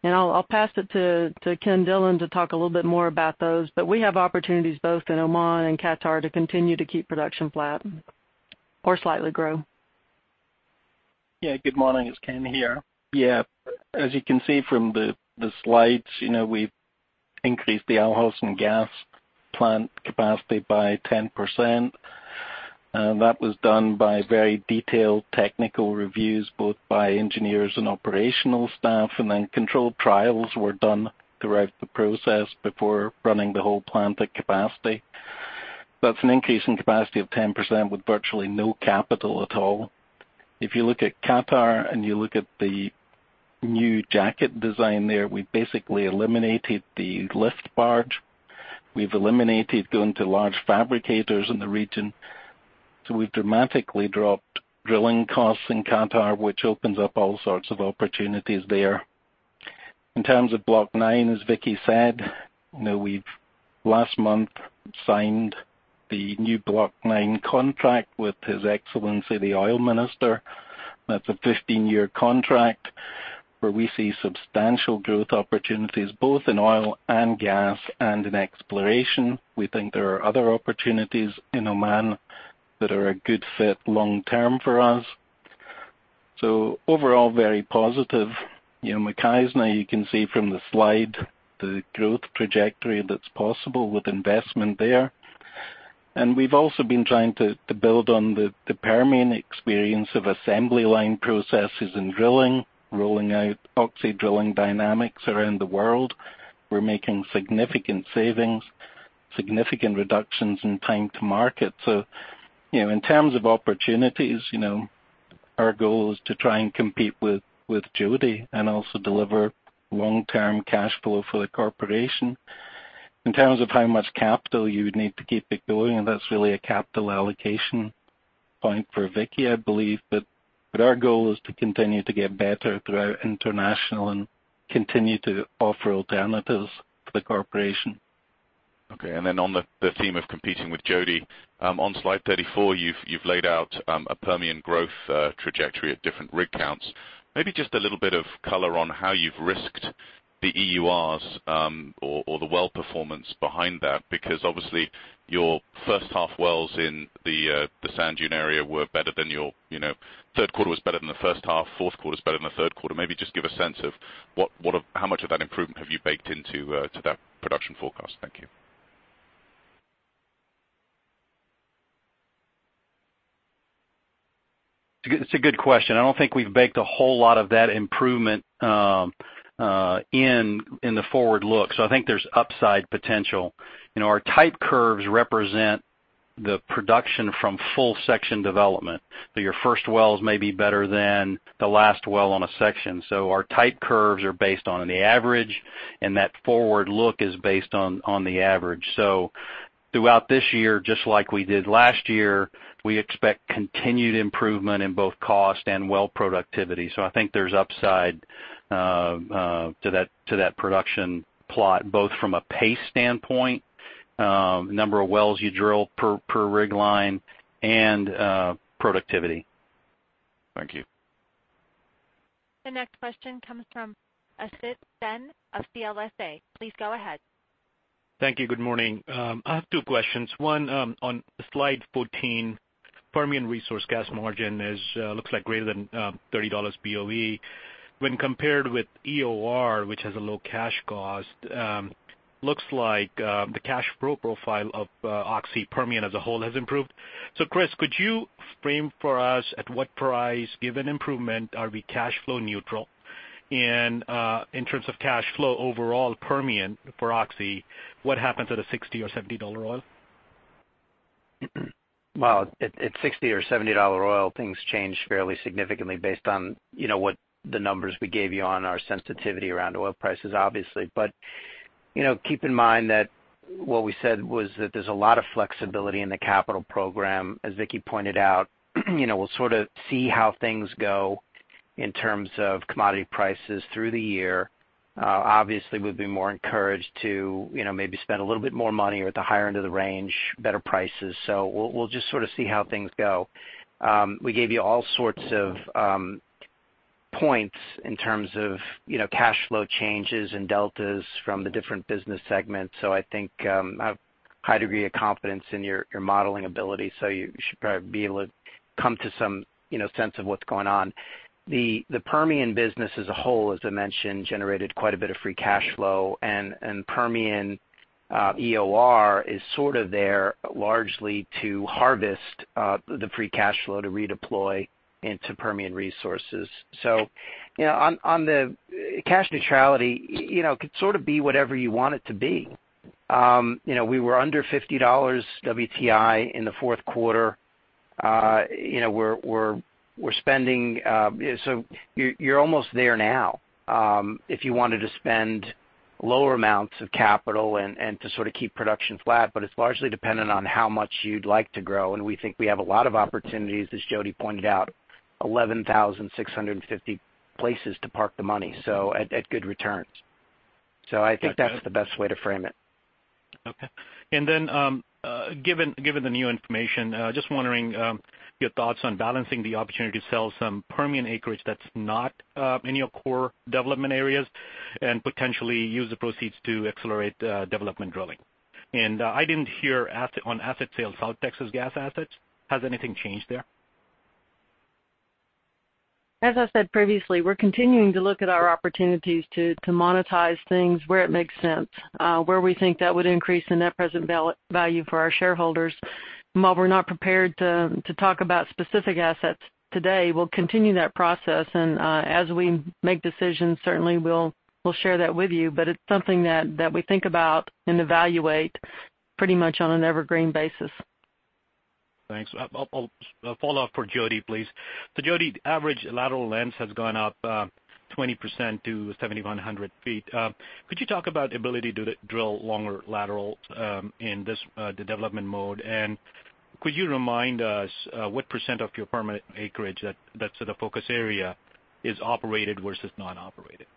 I'll pass it to Kenneth Dillon to talk a little bit more about those. We have opportunities both in Oman and Qatar to continue to keep production flat or slightly grow. Good morning. It's Ken here. As you can see from the slides, we've increased the Al Hosn Gas plant capacity by 10%. That was done by very detailed technical reviews, both by engineers and operational staff. Controlled trials were done throughout the process before running the whole plant at capacity. That's an increase in capacity of 10% with virtually no capital at all. If you look at Qatar and you look at the new jacket design there, we basically eliminated the lift barge. We've eliminated going to large fabricators in the region. We've dramatically dropped drilling costs in Qatar, which opens up all sorts of opportunities there. In terms of Block 9, as Vicki said, we've last month signed the new Block 9 contract with His Excellency, the Oil Minister. That's a 15-year contract where we see substantial growth opportunities both in oil and gas and in exploration. We think there are other opportunities in Oman that are a good fit long term for us. Overall, very positive. Mukhaizna you can see from the slide the growth trajectory that's possible with investment there. We've also been trying to build on the Permian experience of assembly line processes and drilling, rolling out Oxy Drilling Dynamics around the world. We're making significant savings, significant reductions in time to market. In terms of opportunities, our goal is to try and compete with Jody and also deliver long-term cash flow for the corporation. In terms of how much capital you would need to keep it going, that's really a capital allocation point for Vicki, I believe. Our goal is to continue to get better throughout international, and continue to offer alternatives for the corporation. On the theme of competing with Jody, on slide 34, you've laid out a Permian growth trajectory at different rig counts. Maybe just a little bit of color on how you've risked the EURs or the well performance behind that, because obviously your first half wells in the Sand Dunes area, third quarter was better than the first half, fourth quarter's better than the third quarter. Maybe just give a sense of how much of that improvement have you baked into that production forecast? Thank you. It's a good question. I don't think we've baked a whole lot of that improvement in the forward look. I think there's upside potential. Our type curves represent the production from full section development. Your first wells may be better than the last well on a section. Our type curves are based on the average, and that forward look is based on the average. Throughout this year, just like we did last year, we expect continued improvement in both cost and well productivity. I think there's upside to that production plot, both from a pace standpoint, number of wells you drill per rig line, and productivity. Thank you. The next question comes from Asit Sen of CLSA. Please go ahead. Thank you. Good morning. I have two questions. One, on slide 14, Permian Resources gas margin looks like greater than $30 BOE. When compared with EOR, which has a low cash cost, looks like the cash flow profile of Oxy Permian as a whole has improved. Chris, could you frame for us at what price, given improvement, are we cash flow neutral? And, in terms of cash flow overall, Permian for Oxy, what happens at a $60 or $70 oil? At $60 or $70 oil, things change fairly significantly based on what the numbers we gave you on our sensitivity around oil prices, obviously. Keep in mind that what we said was that there's a lot of flexibility in the capital program, as Vicki Hollub pointed out. We'll sort of see how things go in terms of commodity prices through the year. Obviously, we'd be more encouraged to maybe spend a little bit more money or at the higher end of the range, better prices. We'll just sort of see how things go. We gave you all sorts of points in terms of cash flow changes and deltas from the different business segments, I think I have a high degree of confidence in your modeling ability, you should probably be able to come to some sense of what's going on. The Permian business as a whole, as I mentioned, generated quite a bit of free cash flow, and Permian EOR is sort of there largely to harvest the free cash flow to redeploy into Permian Resources. On the cash neutrality, it could sort of be whatever you want it to be. We were under $50 WTI in the fourth quarter. You're almost there now, if you wanted to spend lower amounts of capital and to sort of keep production flat, but it's largely dependent on how much you'd like to grow, and we think we have a lot of opportunities, as Jody Elliott pointed out, 11,650 places to park the money, at good returns. I think that's the best way to frame it. Given the new information, just wondering your thoughts on balancing the opportunity to sell some Permian acreage that's not in your core development areas, and potentially use the proceeds to accelerate development drilling. I didn't hear on asset sales, South Texas gas assets. Has anything changed there? As I said previously, we're continuing to look at our opportunities to monetize things where it makes sense, where we think that would increase the net present value for our shareholders. While we're not prepared to talk about specific assets today, we'll continue that process, and as we make decisions, certainly we'll share that with you. It's something that we think about and evaluate pretty much on an evergreen basis. Thanks. A follow-up for Jody, please. Jody, average lateral lengths has gone up 20% to 7,100 feet. Could you talk about ability to drill longer laterals in this, the development mode? Could you remind us what % of your Permian acreage that's sort of focus area is operated versus non-operated?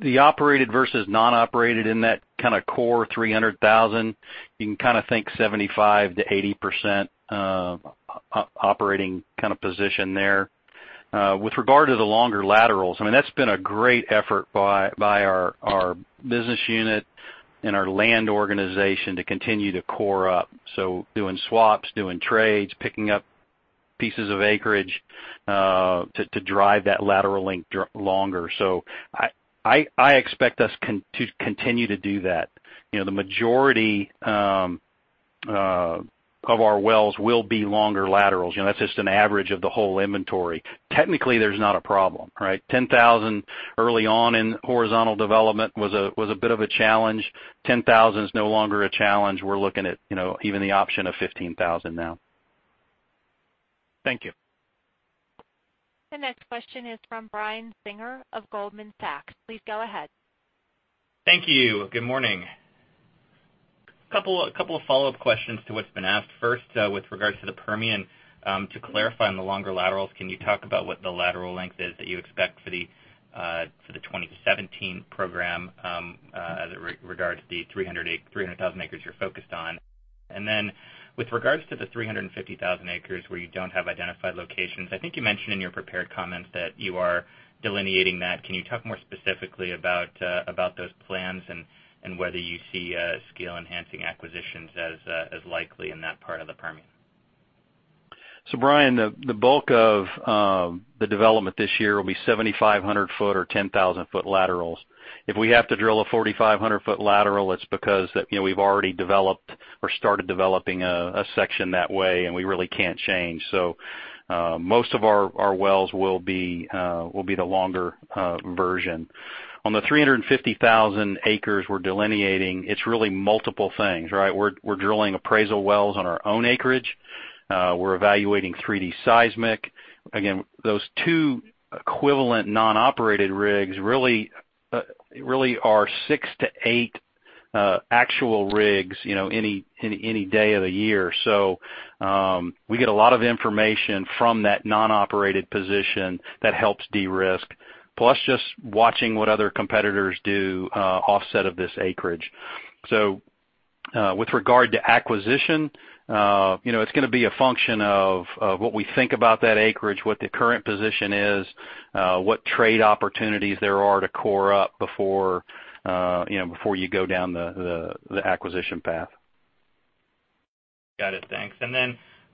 The operated versus non-operated in that kind of core 300,000, you can think 75%-80% operating position there. With regard to the longer laterals, I mean, that's been a great effort by our business unit and our land organization to continue to core up. Doing swaps, doing trades, picking up pieces of acreage to drive that lateral length longer. I expect us to continue to do that. The majority of our wells will be longer laterals. That's just an average of the whole inventory. Technically, there's not a problem, right? 10,000 early on in horizontal development was a bit of a challenge. 10,000 is no longer a challenge. We're looking at even the option of 15,000 now. Thank you. The next question is from Brian Singer of Goldman Sachs. Please go ahead. Thank you. Good morning. Couple of follow-up questions to what's been asked. First, with regards to the Permian, to clarify on the longer laterals, can you talk about what the lateral length is that you expect for the 2017 program, as it regards the 300,000 acres you're focused on? Then with regards to the 350,000 acres where you don't have identified locations, I think you mentioned in your prepared comments that you are delineating that. Can you talk more specifically about those plans and whether you see scale enhancing acquisitions as likely in that part of the Permian? Brian, the bulk of the development this year will be 7,500 foot or 10,000 foot laterals. If we have to drill a 4,500 foot lateral, it's because we've already developed or started developing a section that way, and we really can't change. Most of our wells will be the longer version. On the 350,000 acres we're delineating, it's really multiple things, right? We're drilling appraisal wells on our own acreage. We're evaluating 3D seismic. Again, those two equivalent non-operated rigs really are six to eight actual rigs any day of the year. We get a lot of information from that non-operated position that helps de-risk. Plus just watching what other competitors do offset of this acreage. With regard to acquisition, it's going to be a function of what we think about that acreage, what the current position is, what trade opportunities there are to core up before you go down the acquisition path. Got it. Thanks.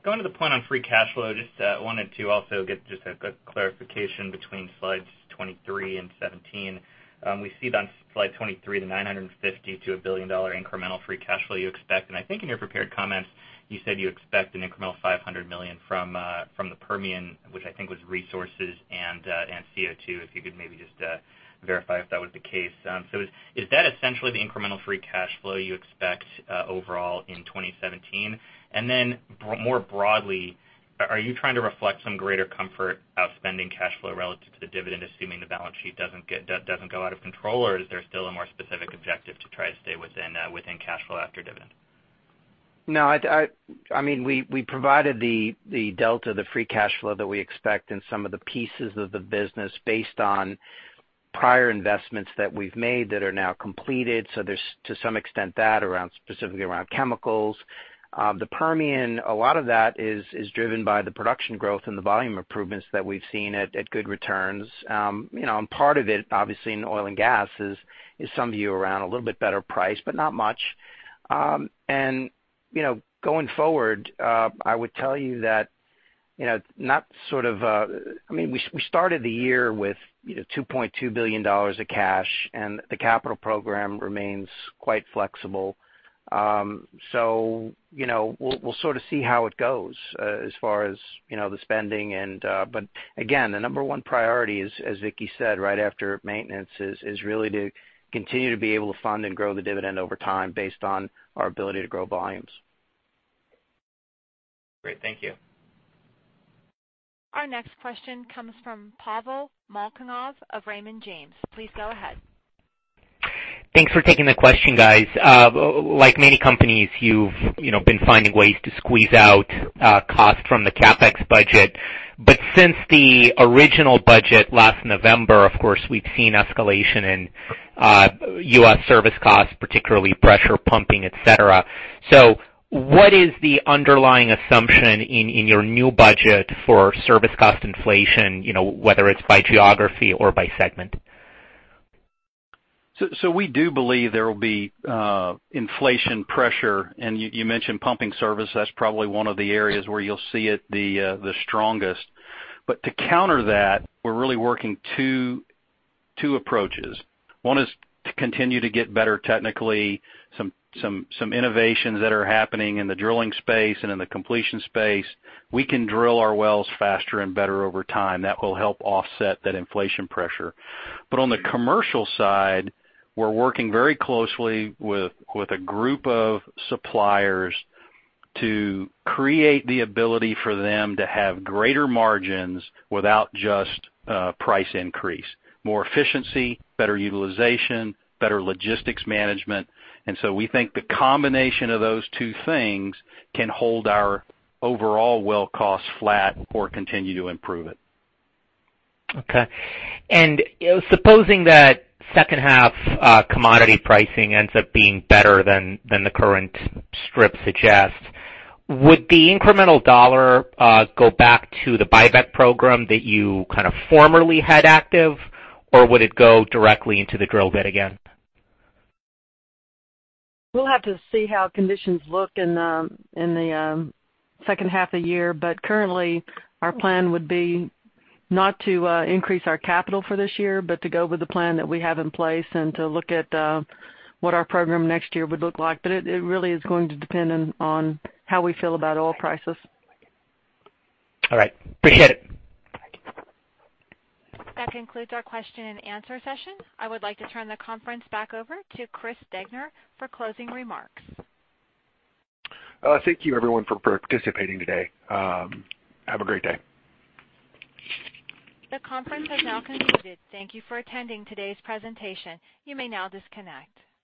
Going to the point on free cash flow, just wanted to also get just a clarification between slides 23 and 17. We see it on slide 23, the $950 to $1 billion incremental free cash flow you expect, and I think in your prepared comments, you said you expect an incremental $500 million from the Permian Resources, which I think was Permian Resources and CO2, if you could maybe just verify if that was the case. Is that essentially the incremental free cash flow you expect overall in 2017? Then more broadly, are you trying to reflect some greater comfort of spending cash flow relative to the dividend, assuming the balance sheet doesn't go out of control, or is there still a more specific objective to try to stay within cash flow after dividend? No. I mean, we provided the delta, the free cash flow that we expect in some of the pieces of the business based on prior investments that we've made that are now completed. There's, to some extent, that specifically around chemicals. The Permian, a lot of that is driven by the production growth and the volume improvements that we've seen at good returns. Part of it, obviously, in oil and gas is some view around a little bit better price, but not much. Going forward, I would tell you that not sort of I mean, we started the year with $2.2 billion of cash, and the capital program remains quite flexible. We'll sort of see how it goes as far as the spending. The number one priority is, as Vicki said, right after maintenance, is really to continue to be able to fund and grow the dividend over time based on our ability to grow volumes. Great. Thank you. Our next question comes from Pavel Molchanov of Raymond James. Please go ahead. Thanks for taking the question, guys. Like many companies, you've been finding ways to squeeze out cost from the CapEx budget. Since the original budget last November, of course, we've seen escalation in U.S. service costs, particularly pressure pumping, et cetera. What is the underlying assumption in your new budget for service cost inflation, whether it's by geography or by segment? We do believe there will be inflation pressure, you mentioned pumping service, that's probably one of the areas where you'll see it the strongest. To counter that, we're really working two approaches. One is to continue to get better technically. Some innovations that are happening in the drilling space and in the completion space. We can drill our wells faster and better over time. That will help offset that inflation pressure. On the commercial side, we're working very closely with a group of suppliers to create the ability for them to have greater margins without just price increase. More efficiency, better utilization, better logistics management, we think the combination of those two things can hold our overall well cost flat or continue to improve it. Okay. Supposing that second half commodity pricing ends up being better than the current strip suggests, would the incremental dollar go back to the buyback program that you kind of formerly had active, or would it go directly into the drill bit again? We'll have to see how conditions look in the second half of the year. Currently our plan would be not to increase our capital for this year, but to go with the plan that we have in place and to look at what our program next year would look like. It really is going to depend on how we feel about oil prices. All right. Appreciate it. Thank you. That concludes our question and answer session. I would like to turn the conference back over to Chris Degner for closing remarks. Thank you everyone for participating today. Have a great day. The conference has now concluded. Thank you for attending today's presentation. You may now disconnect.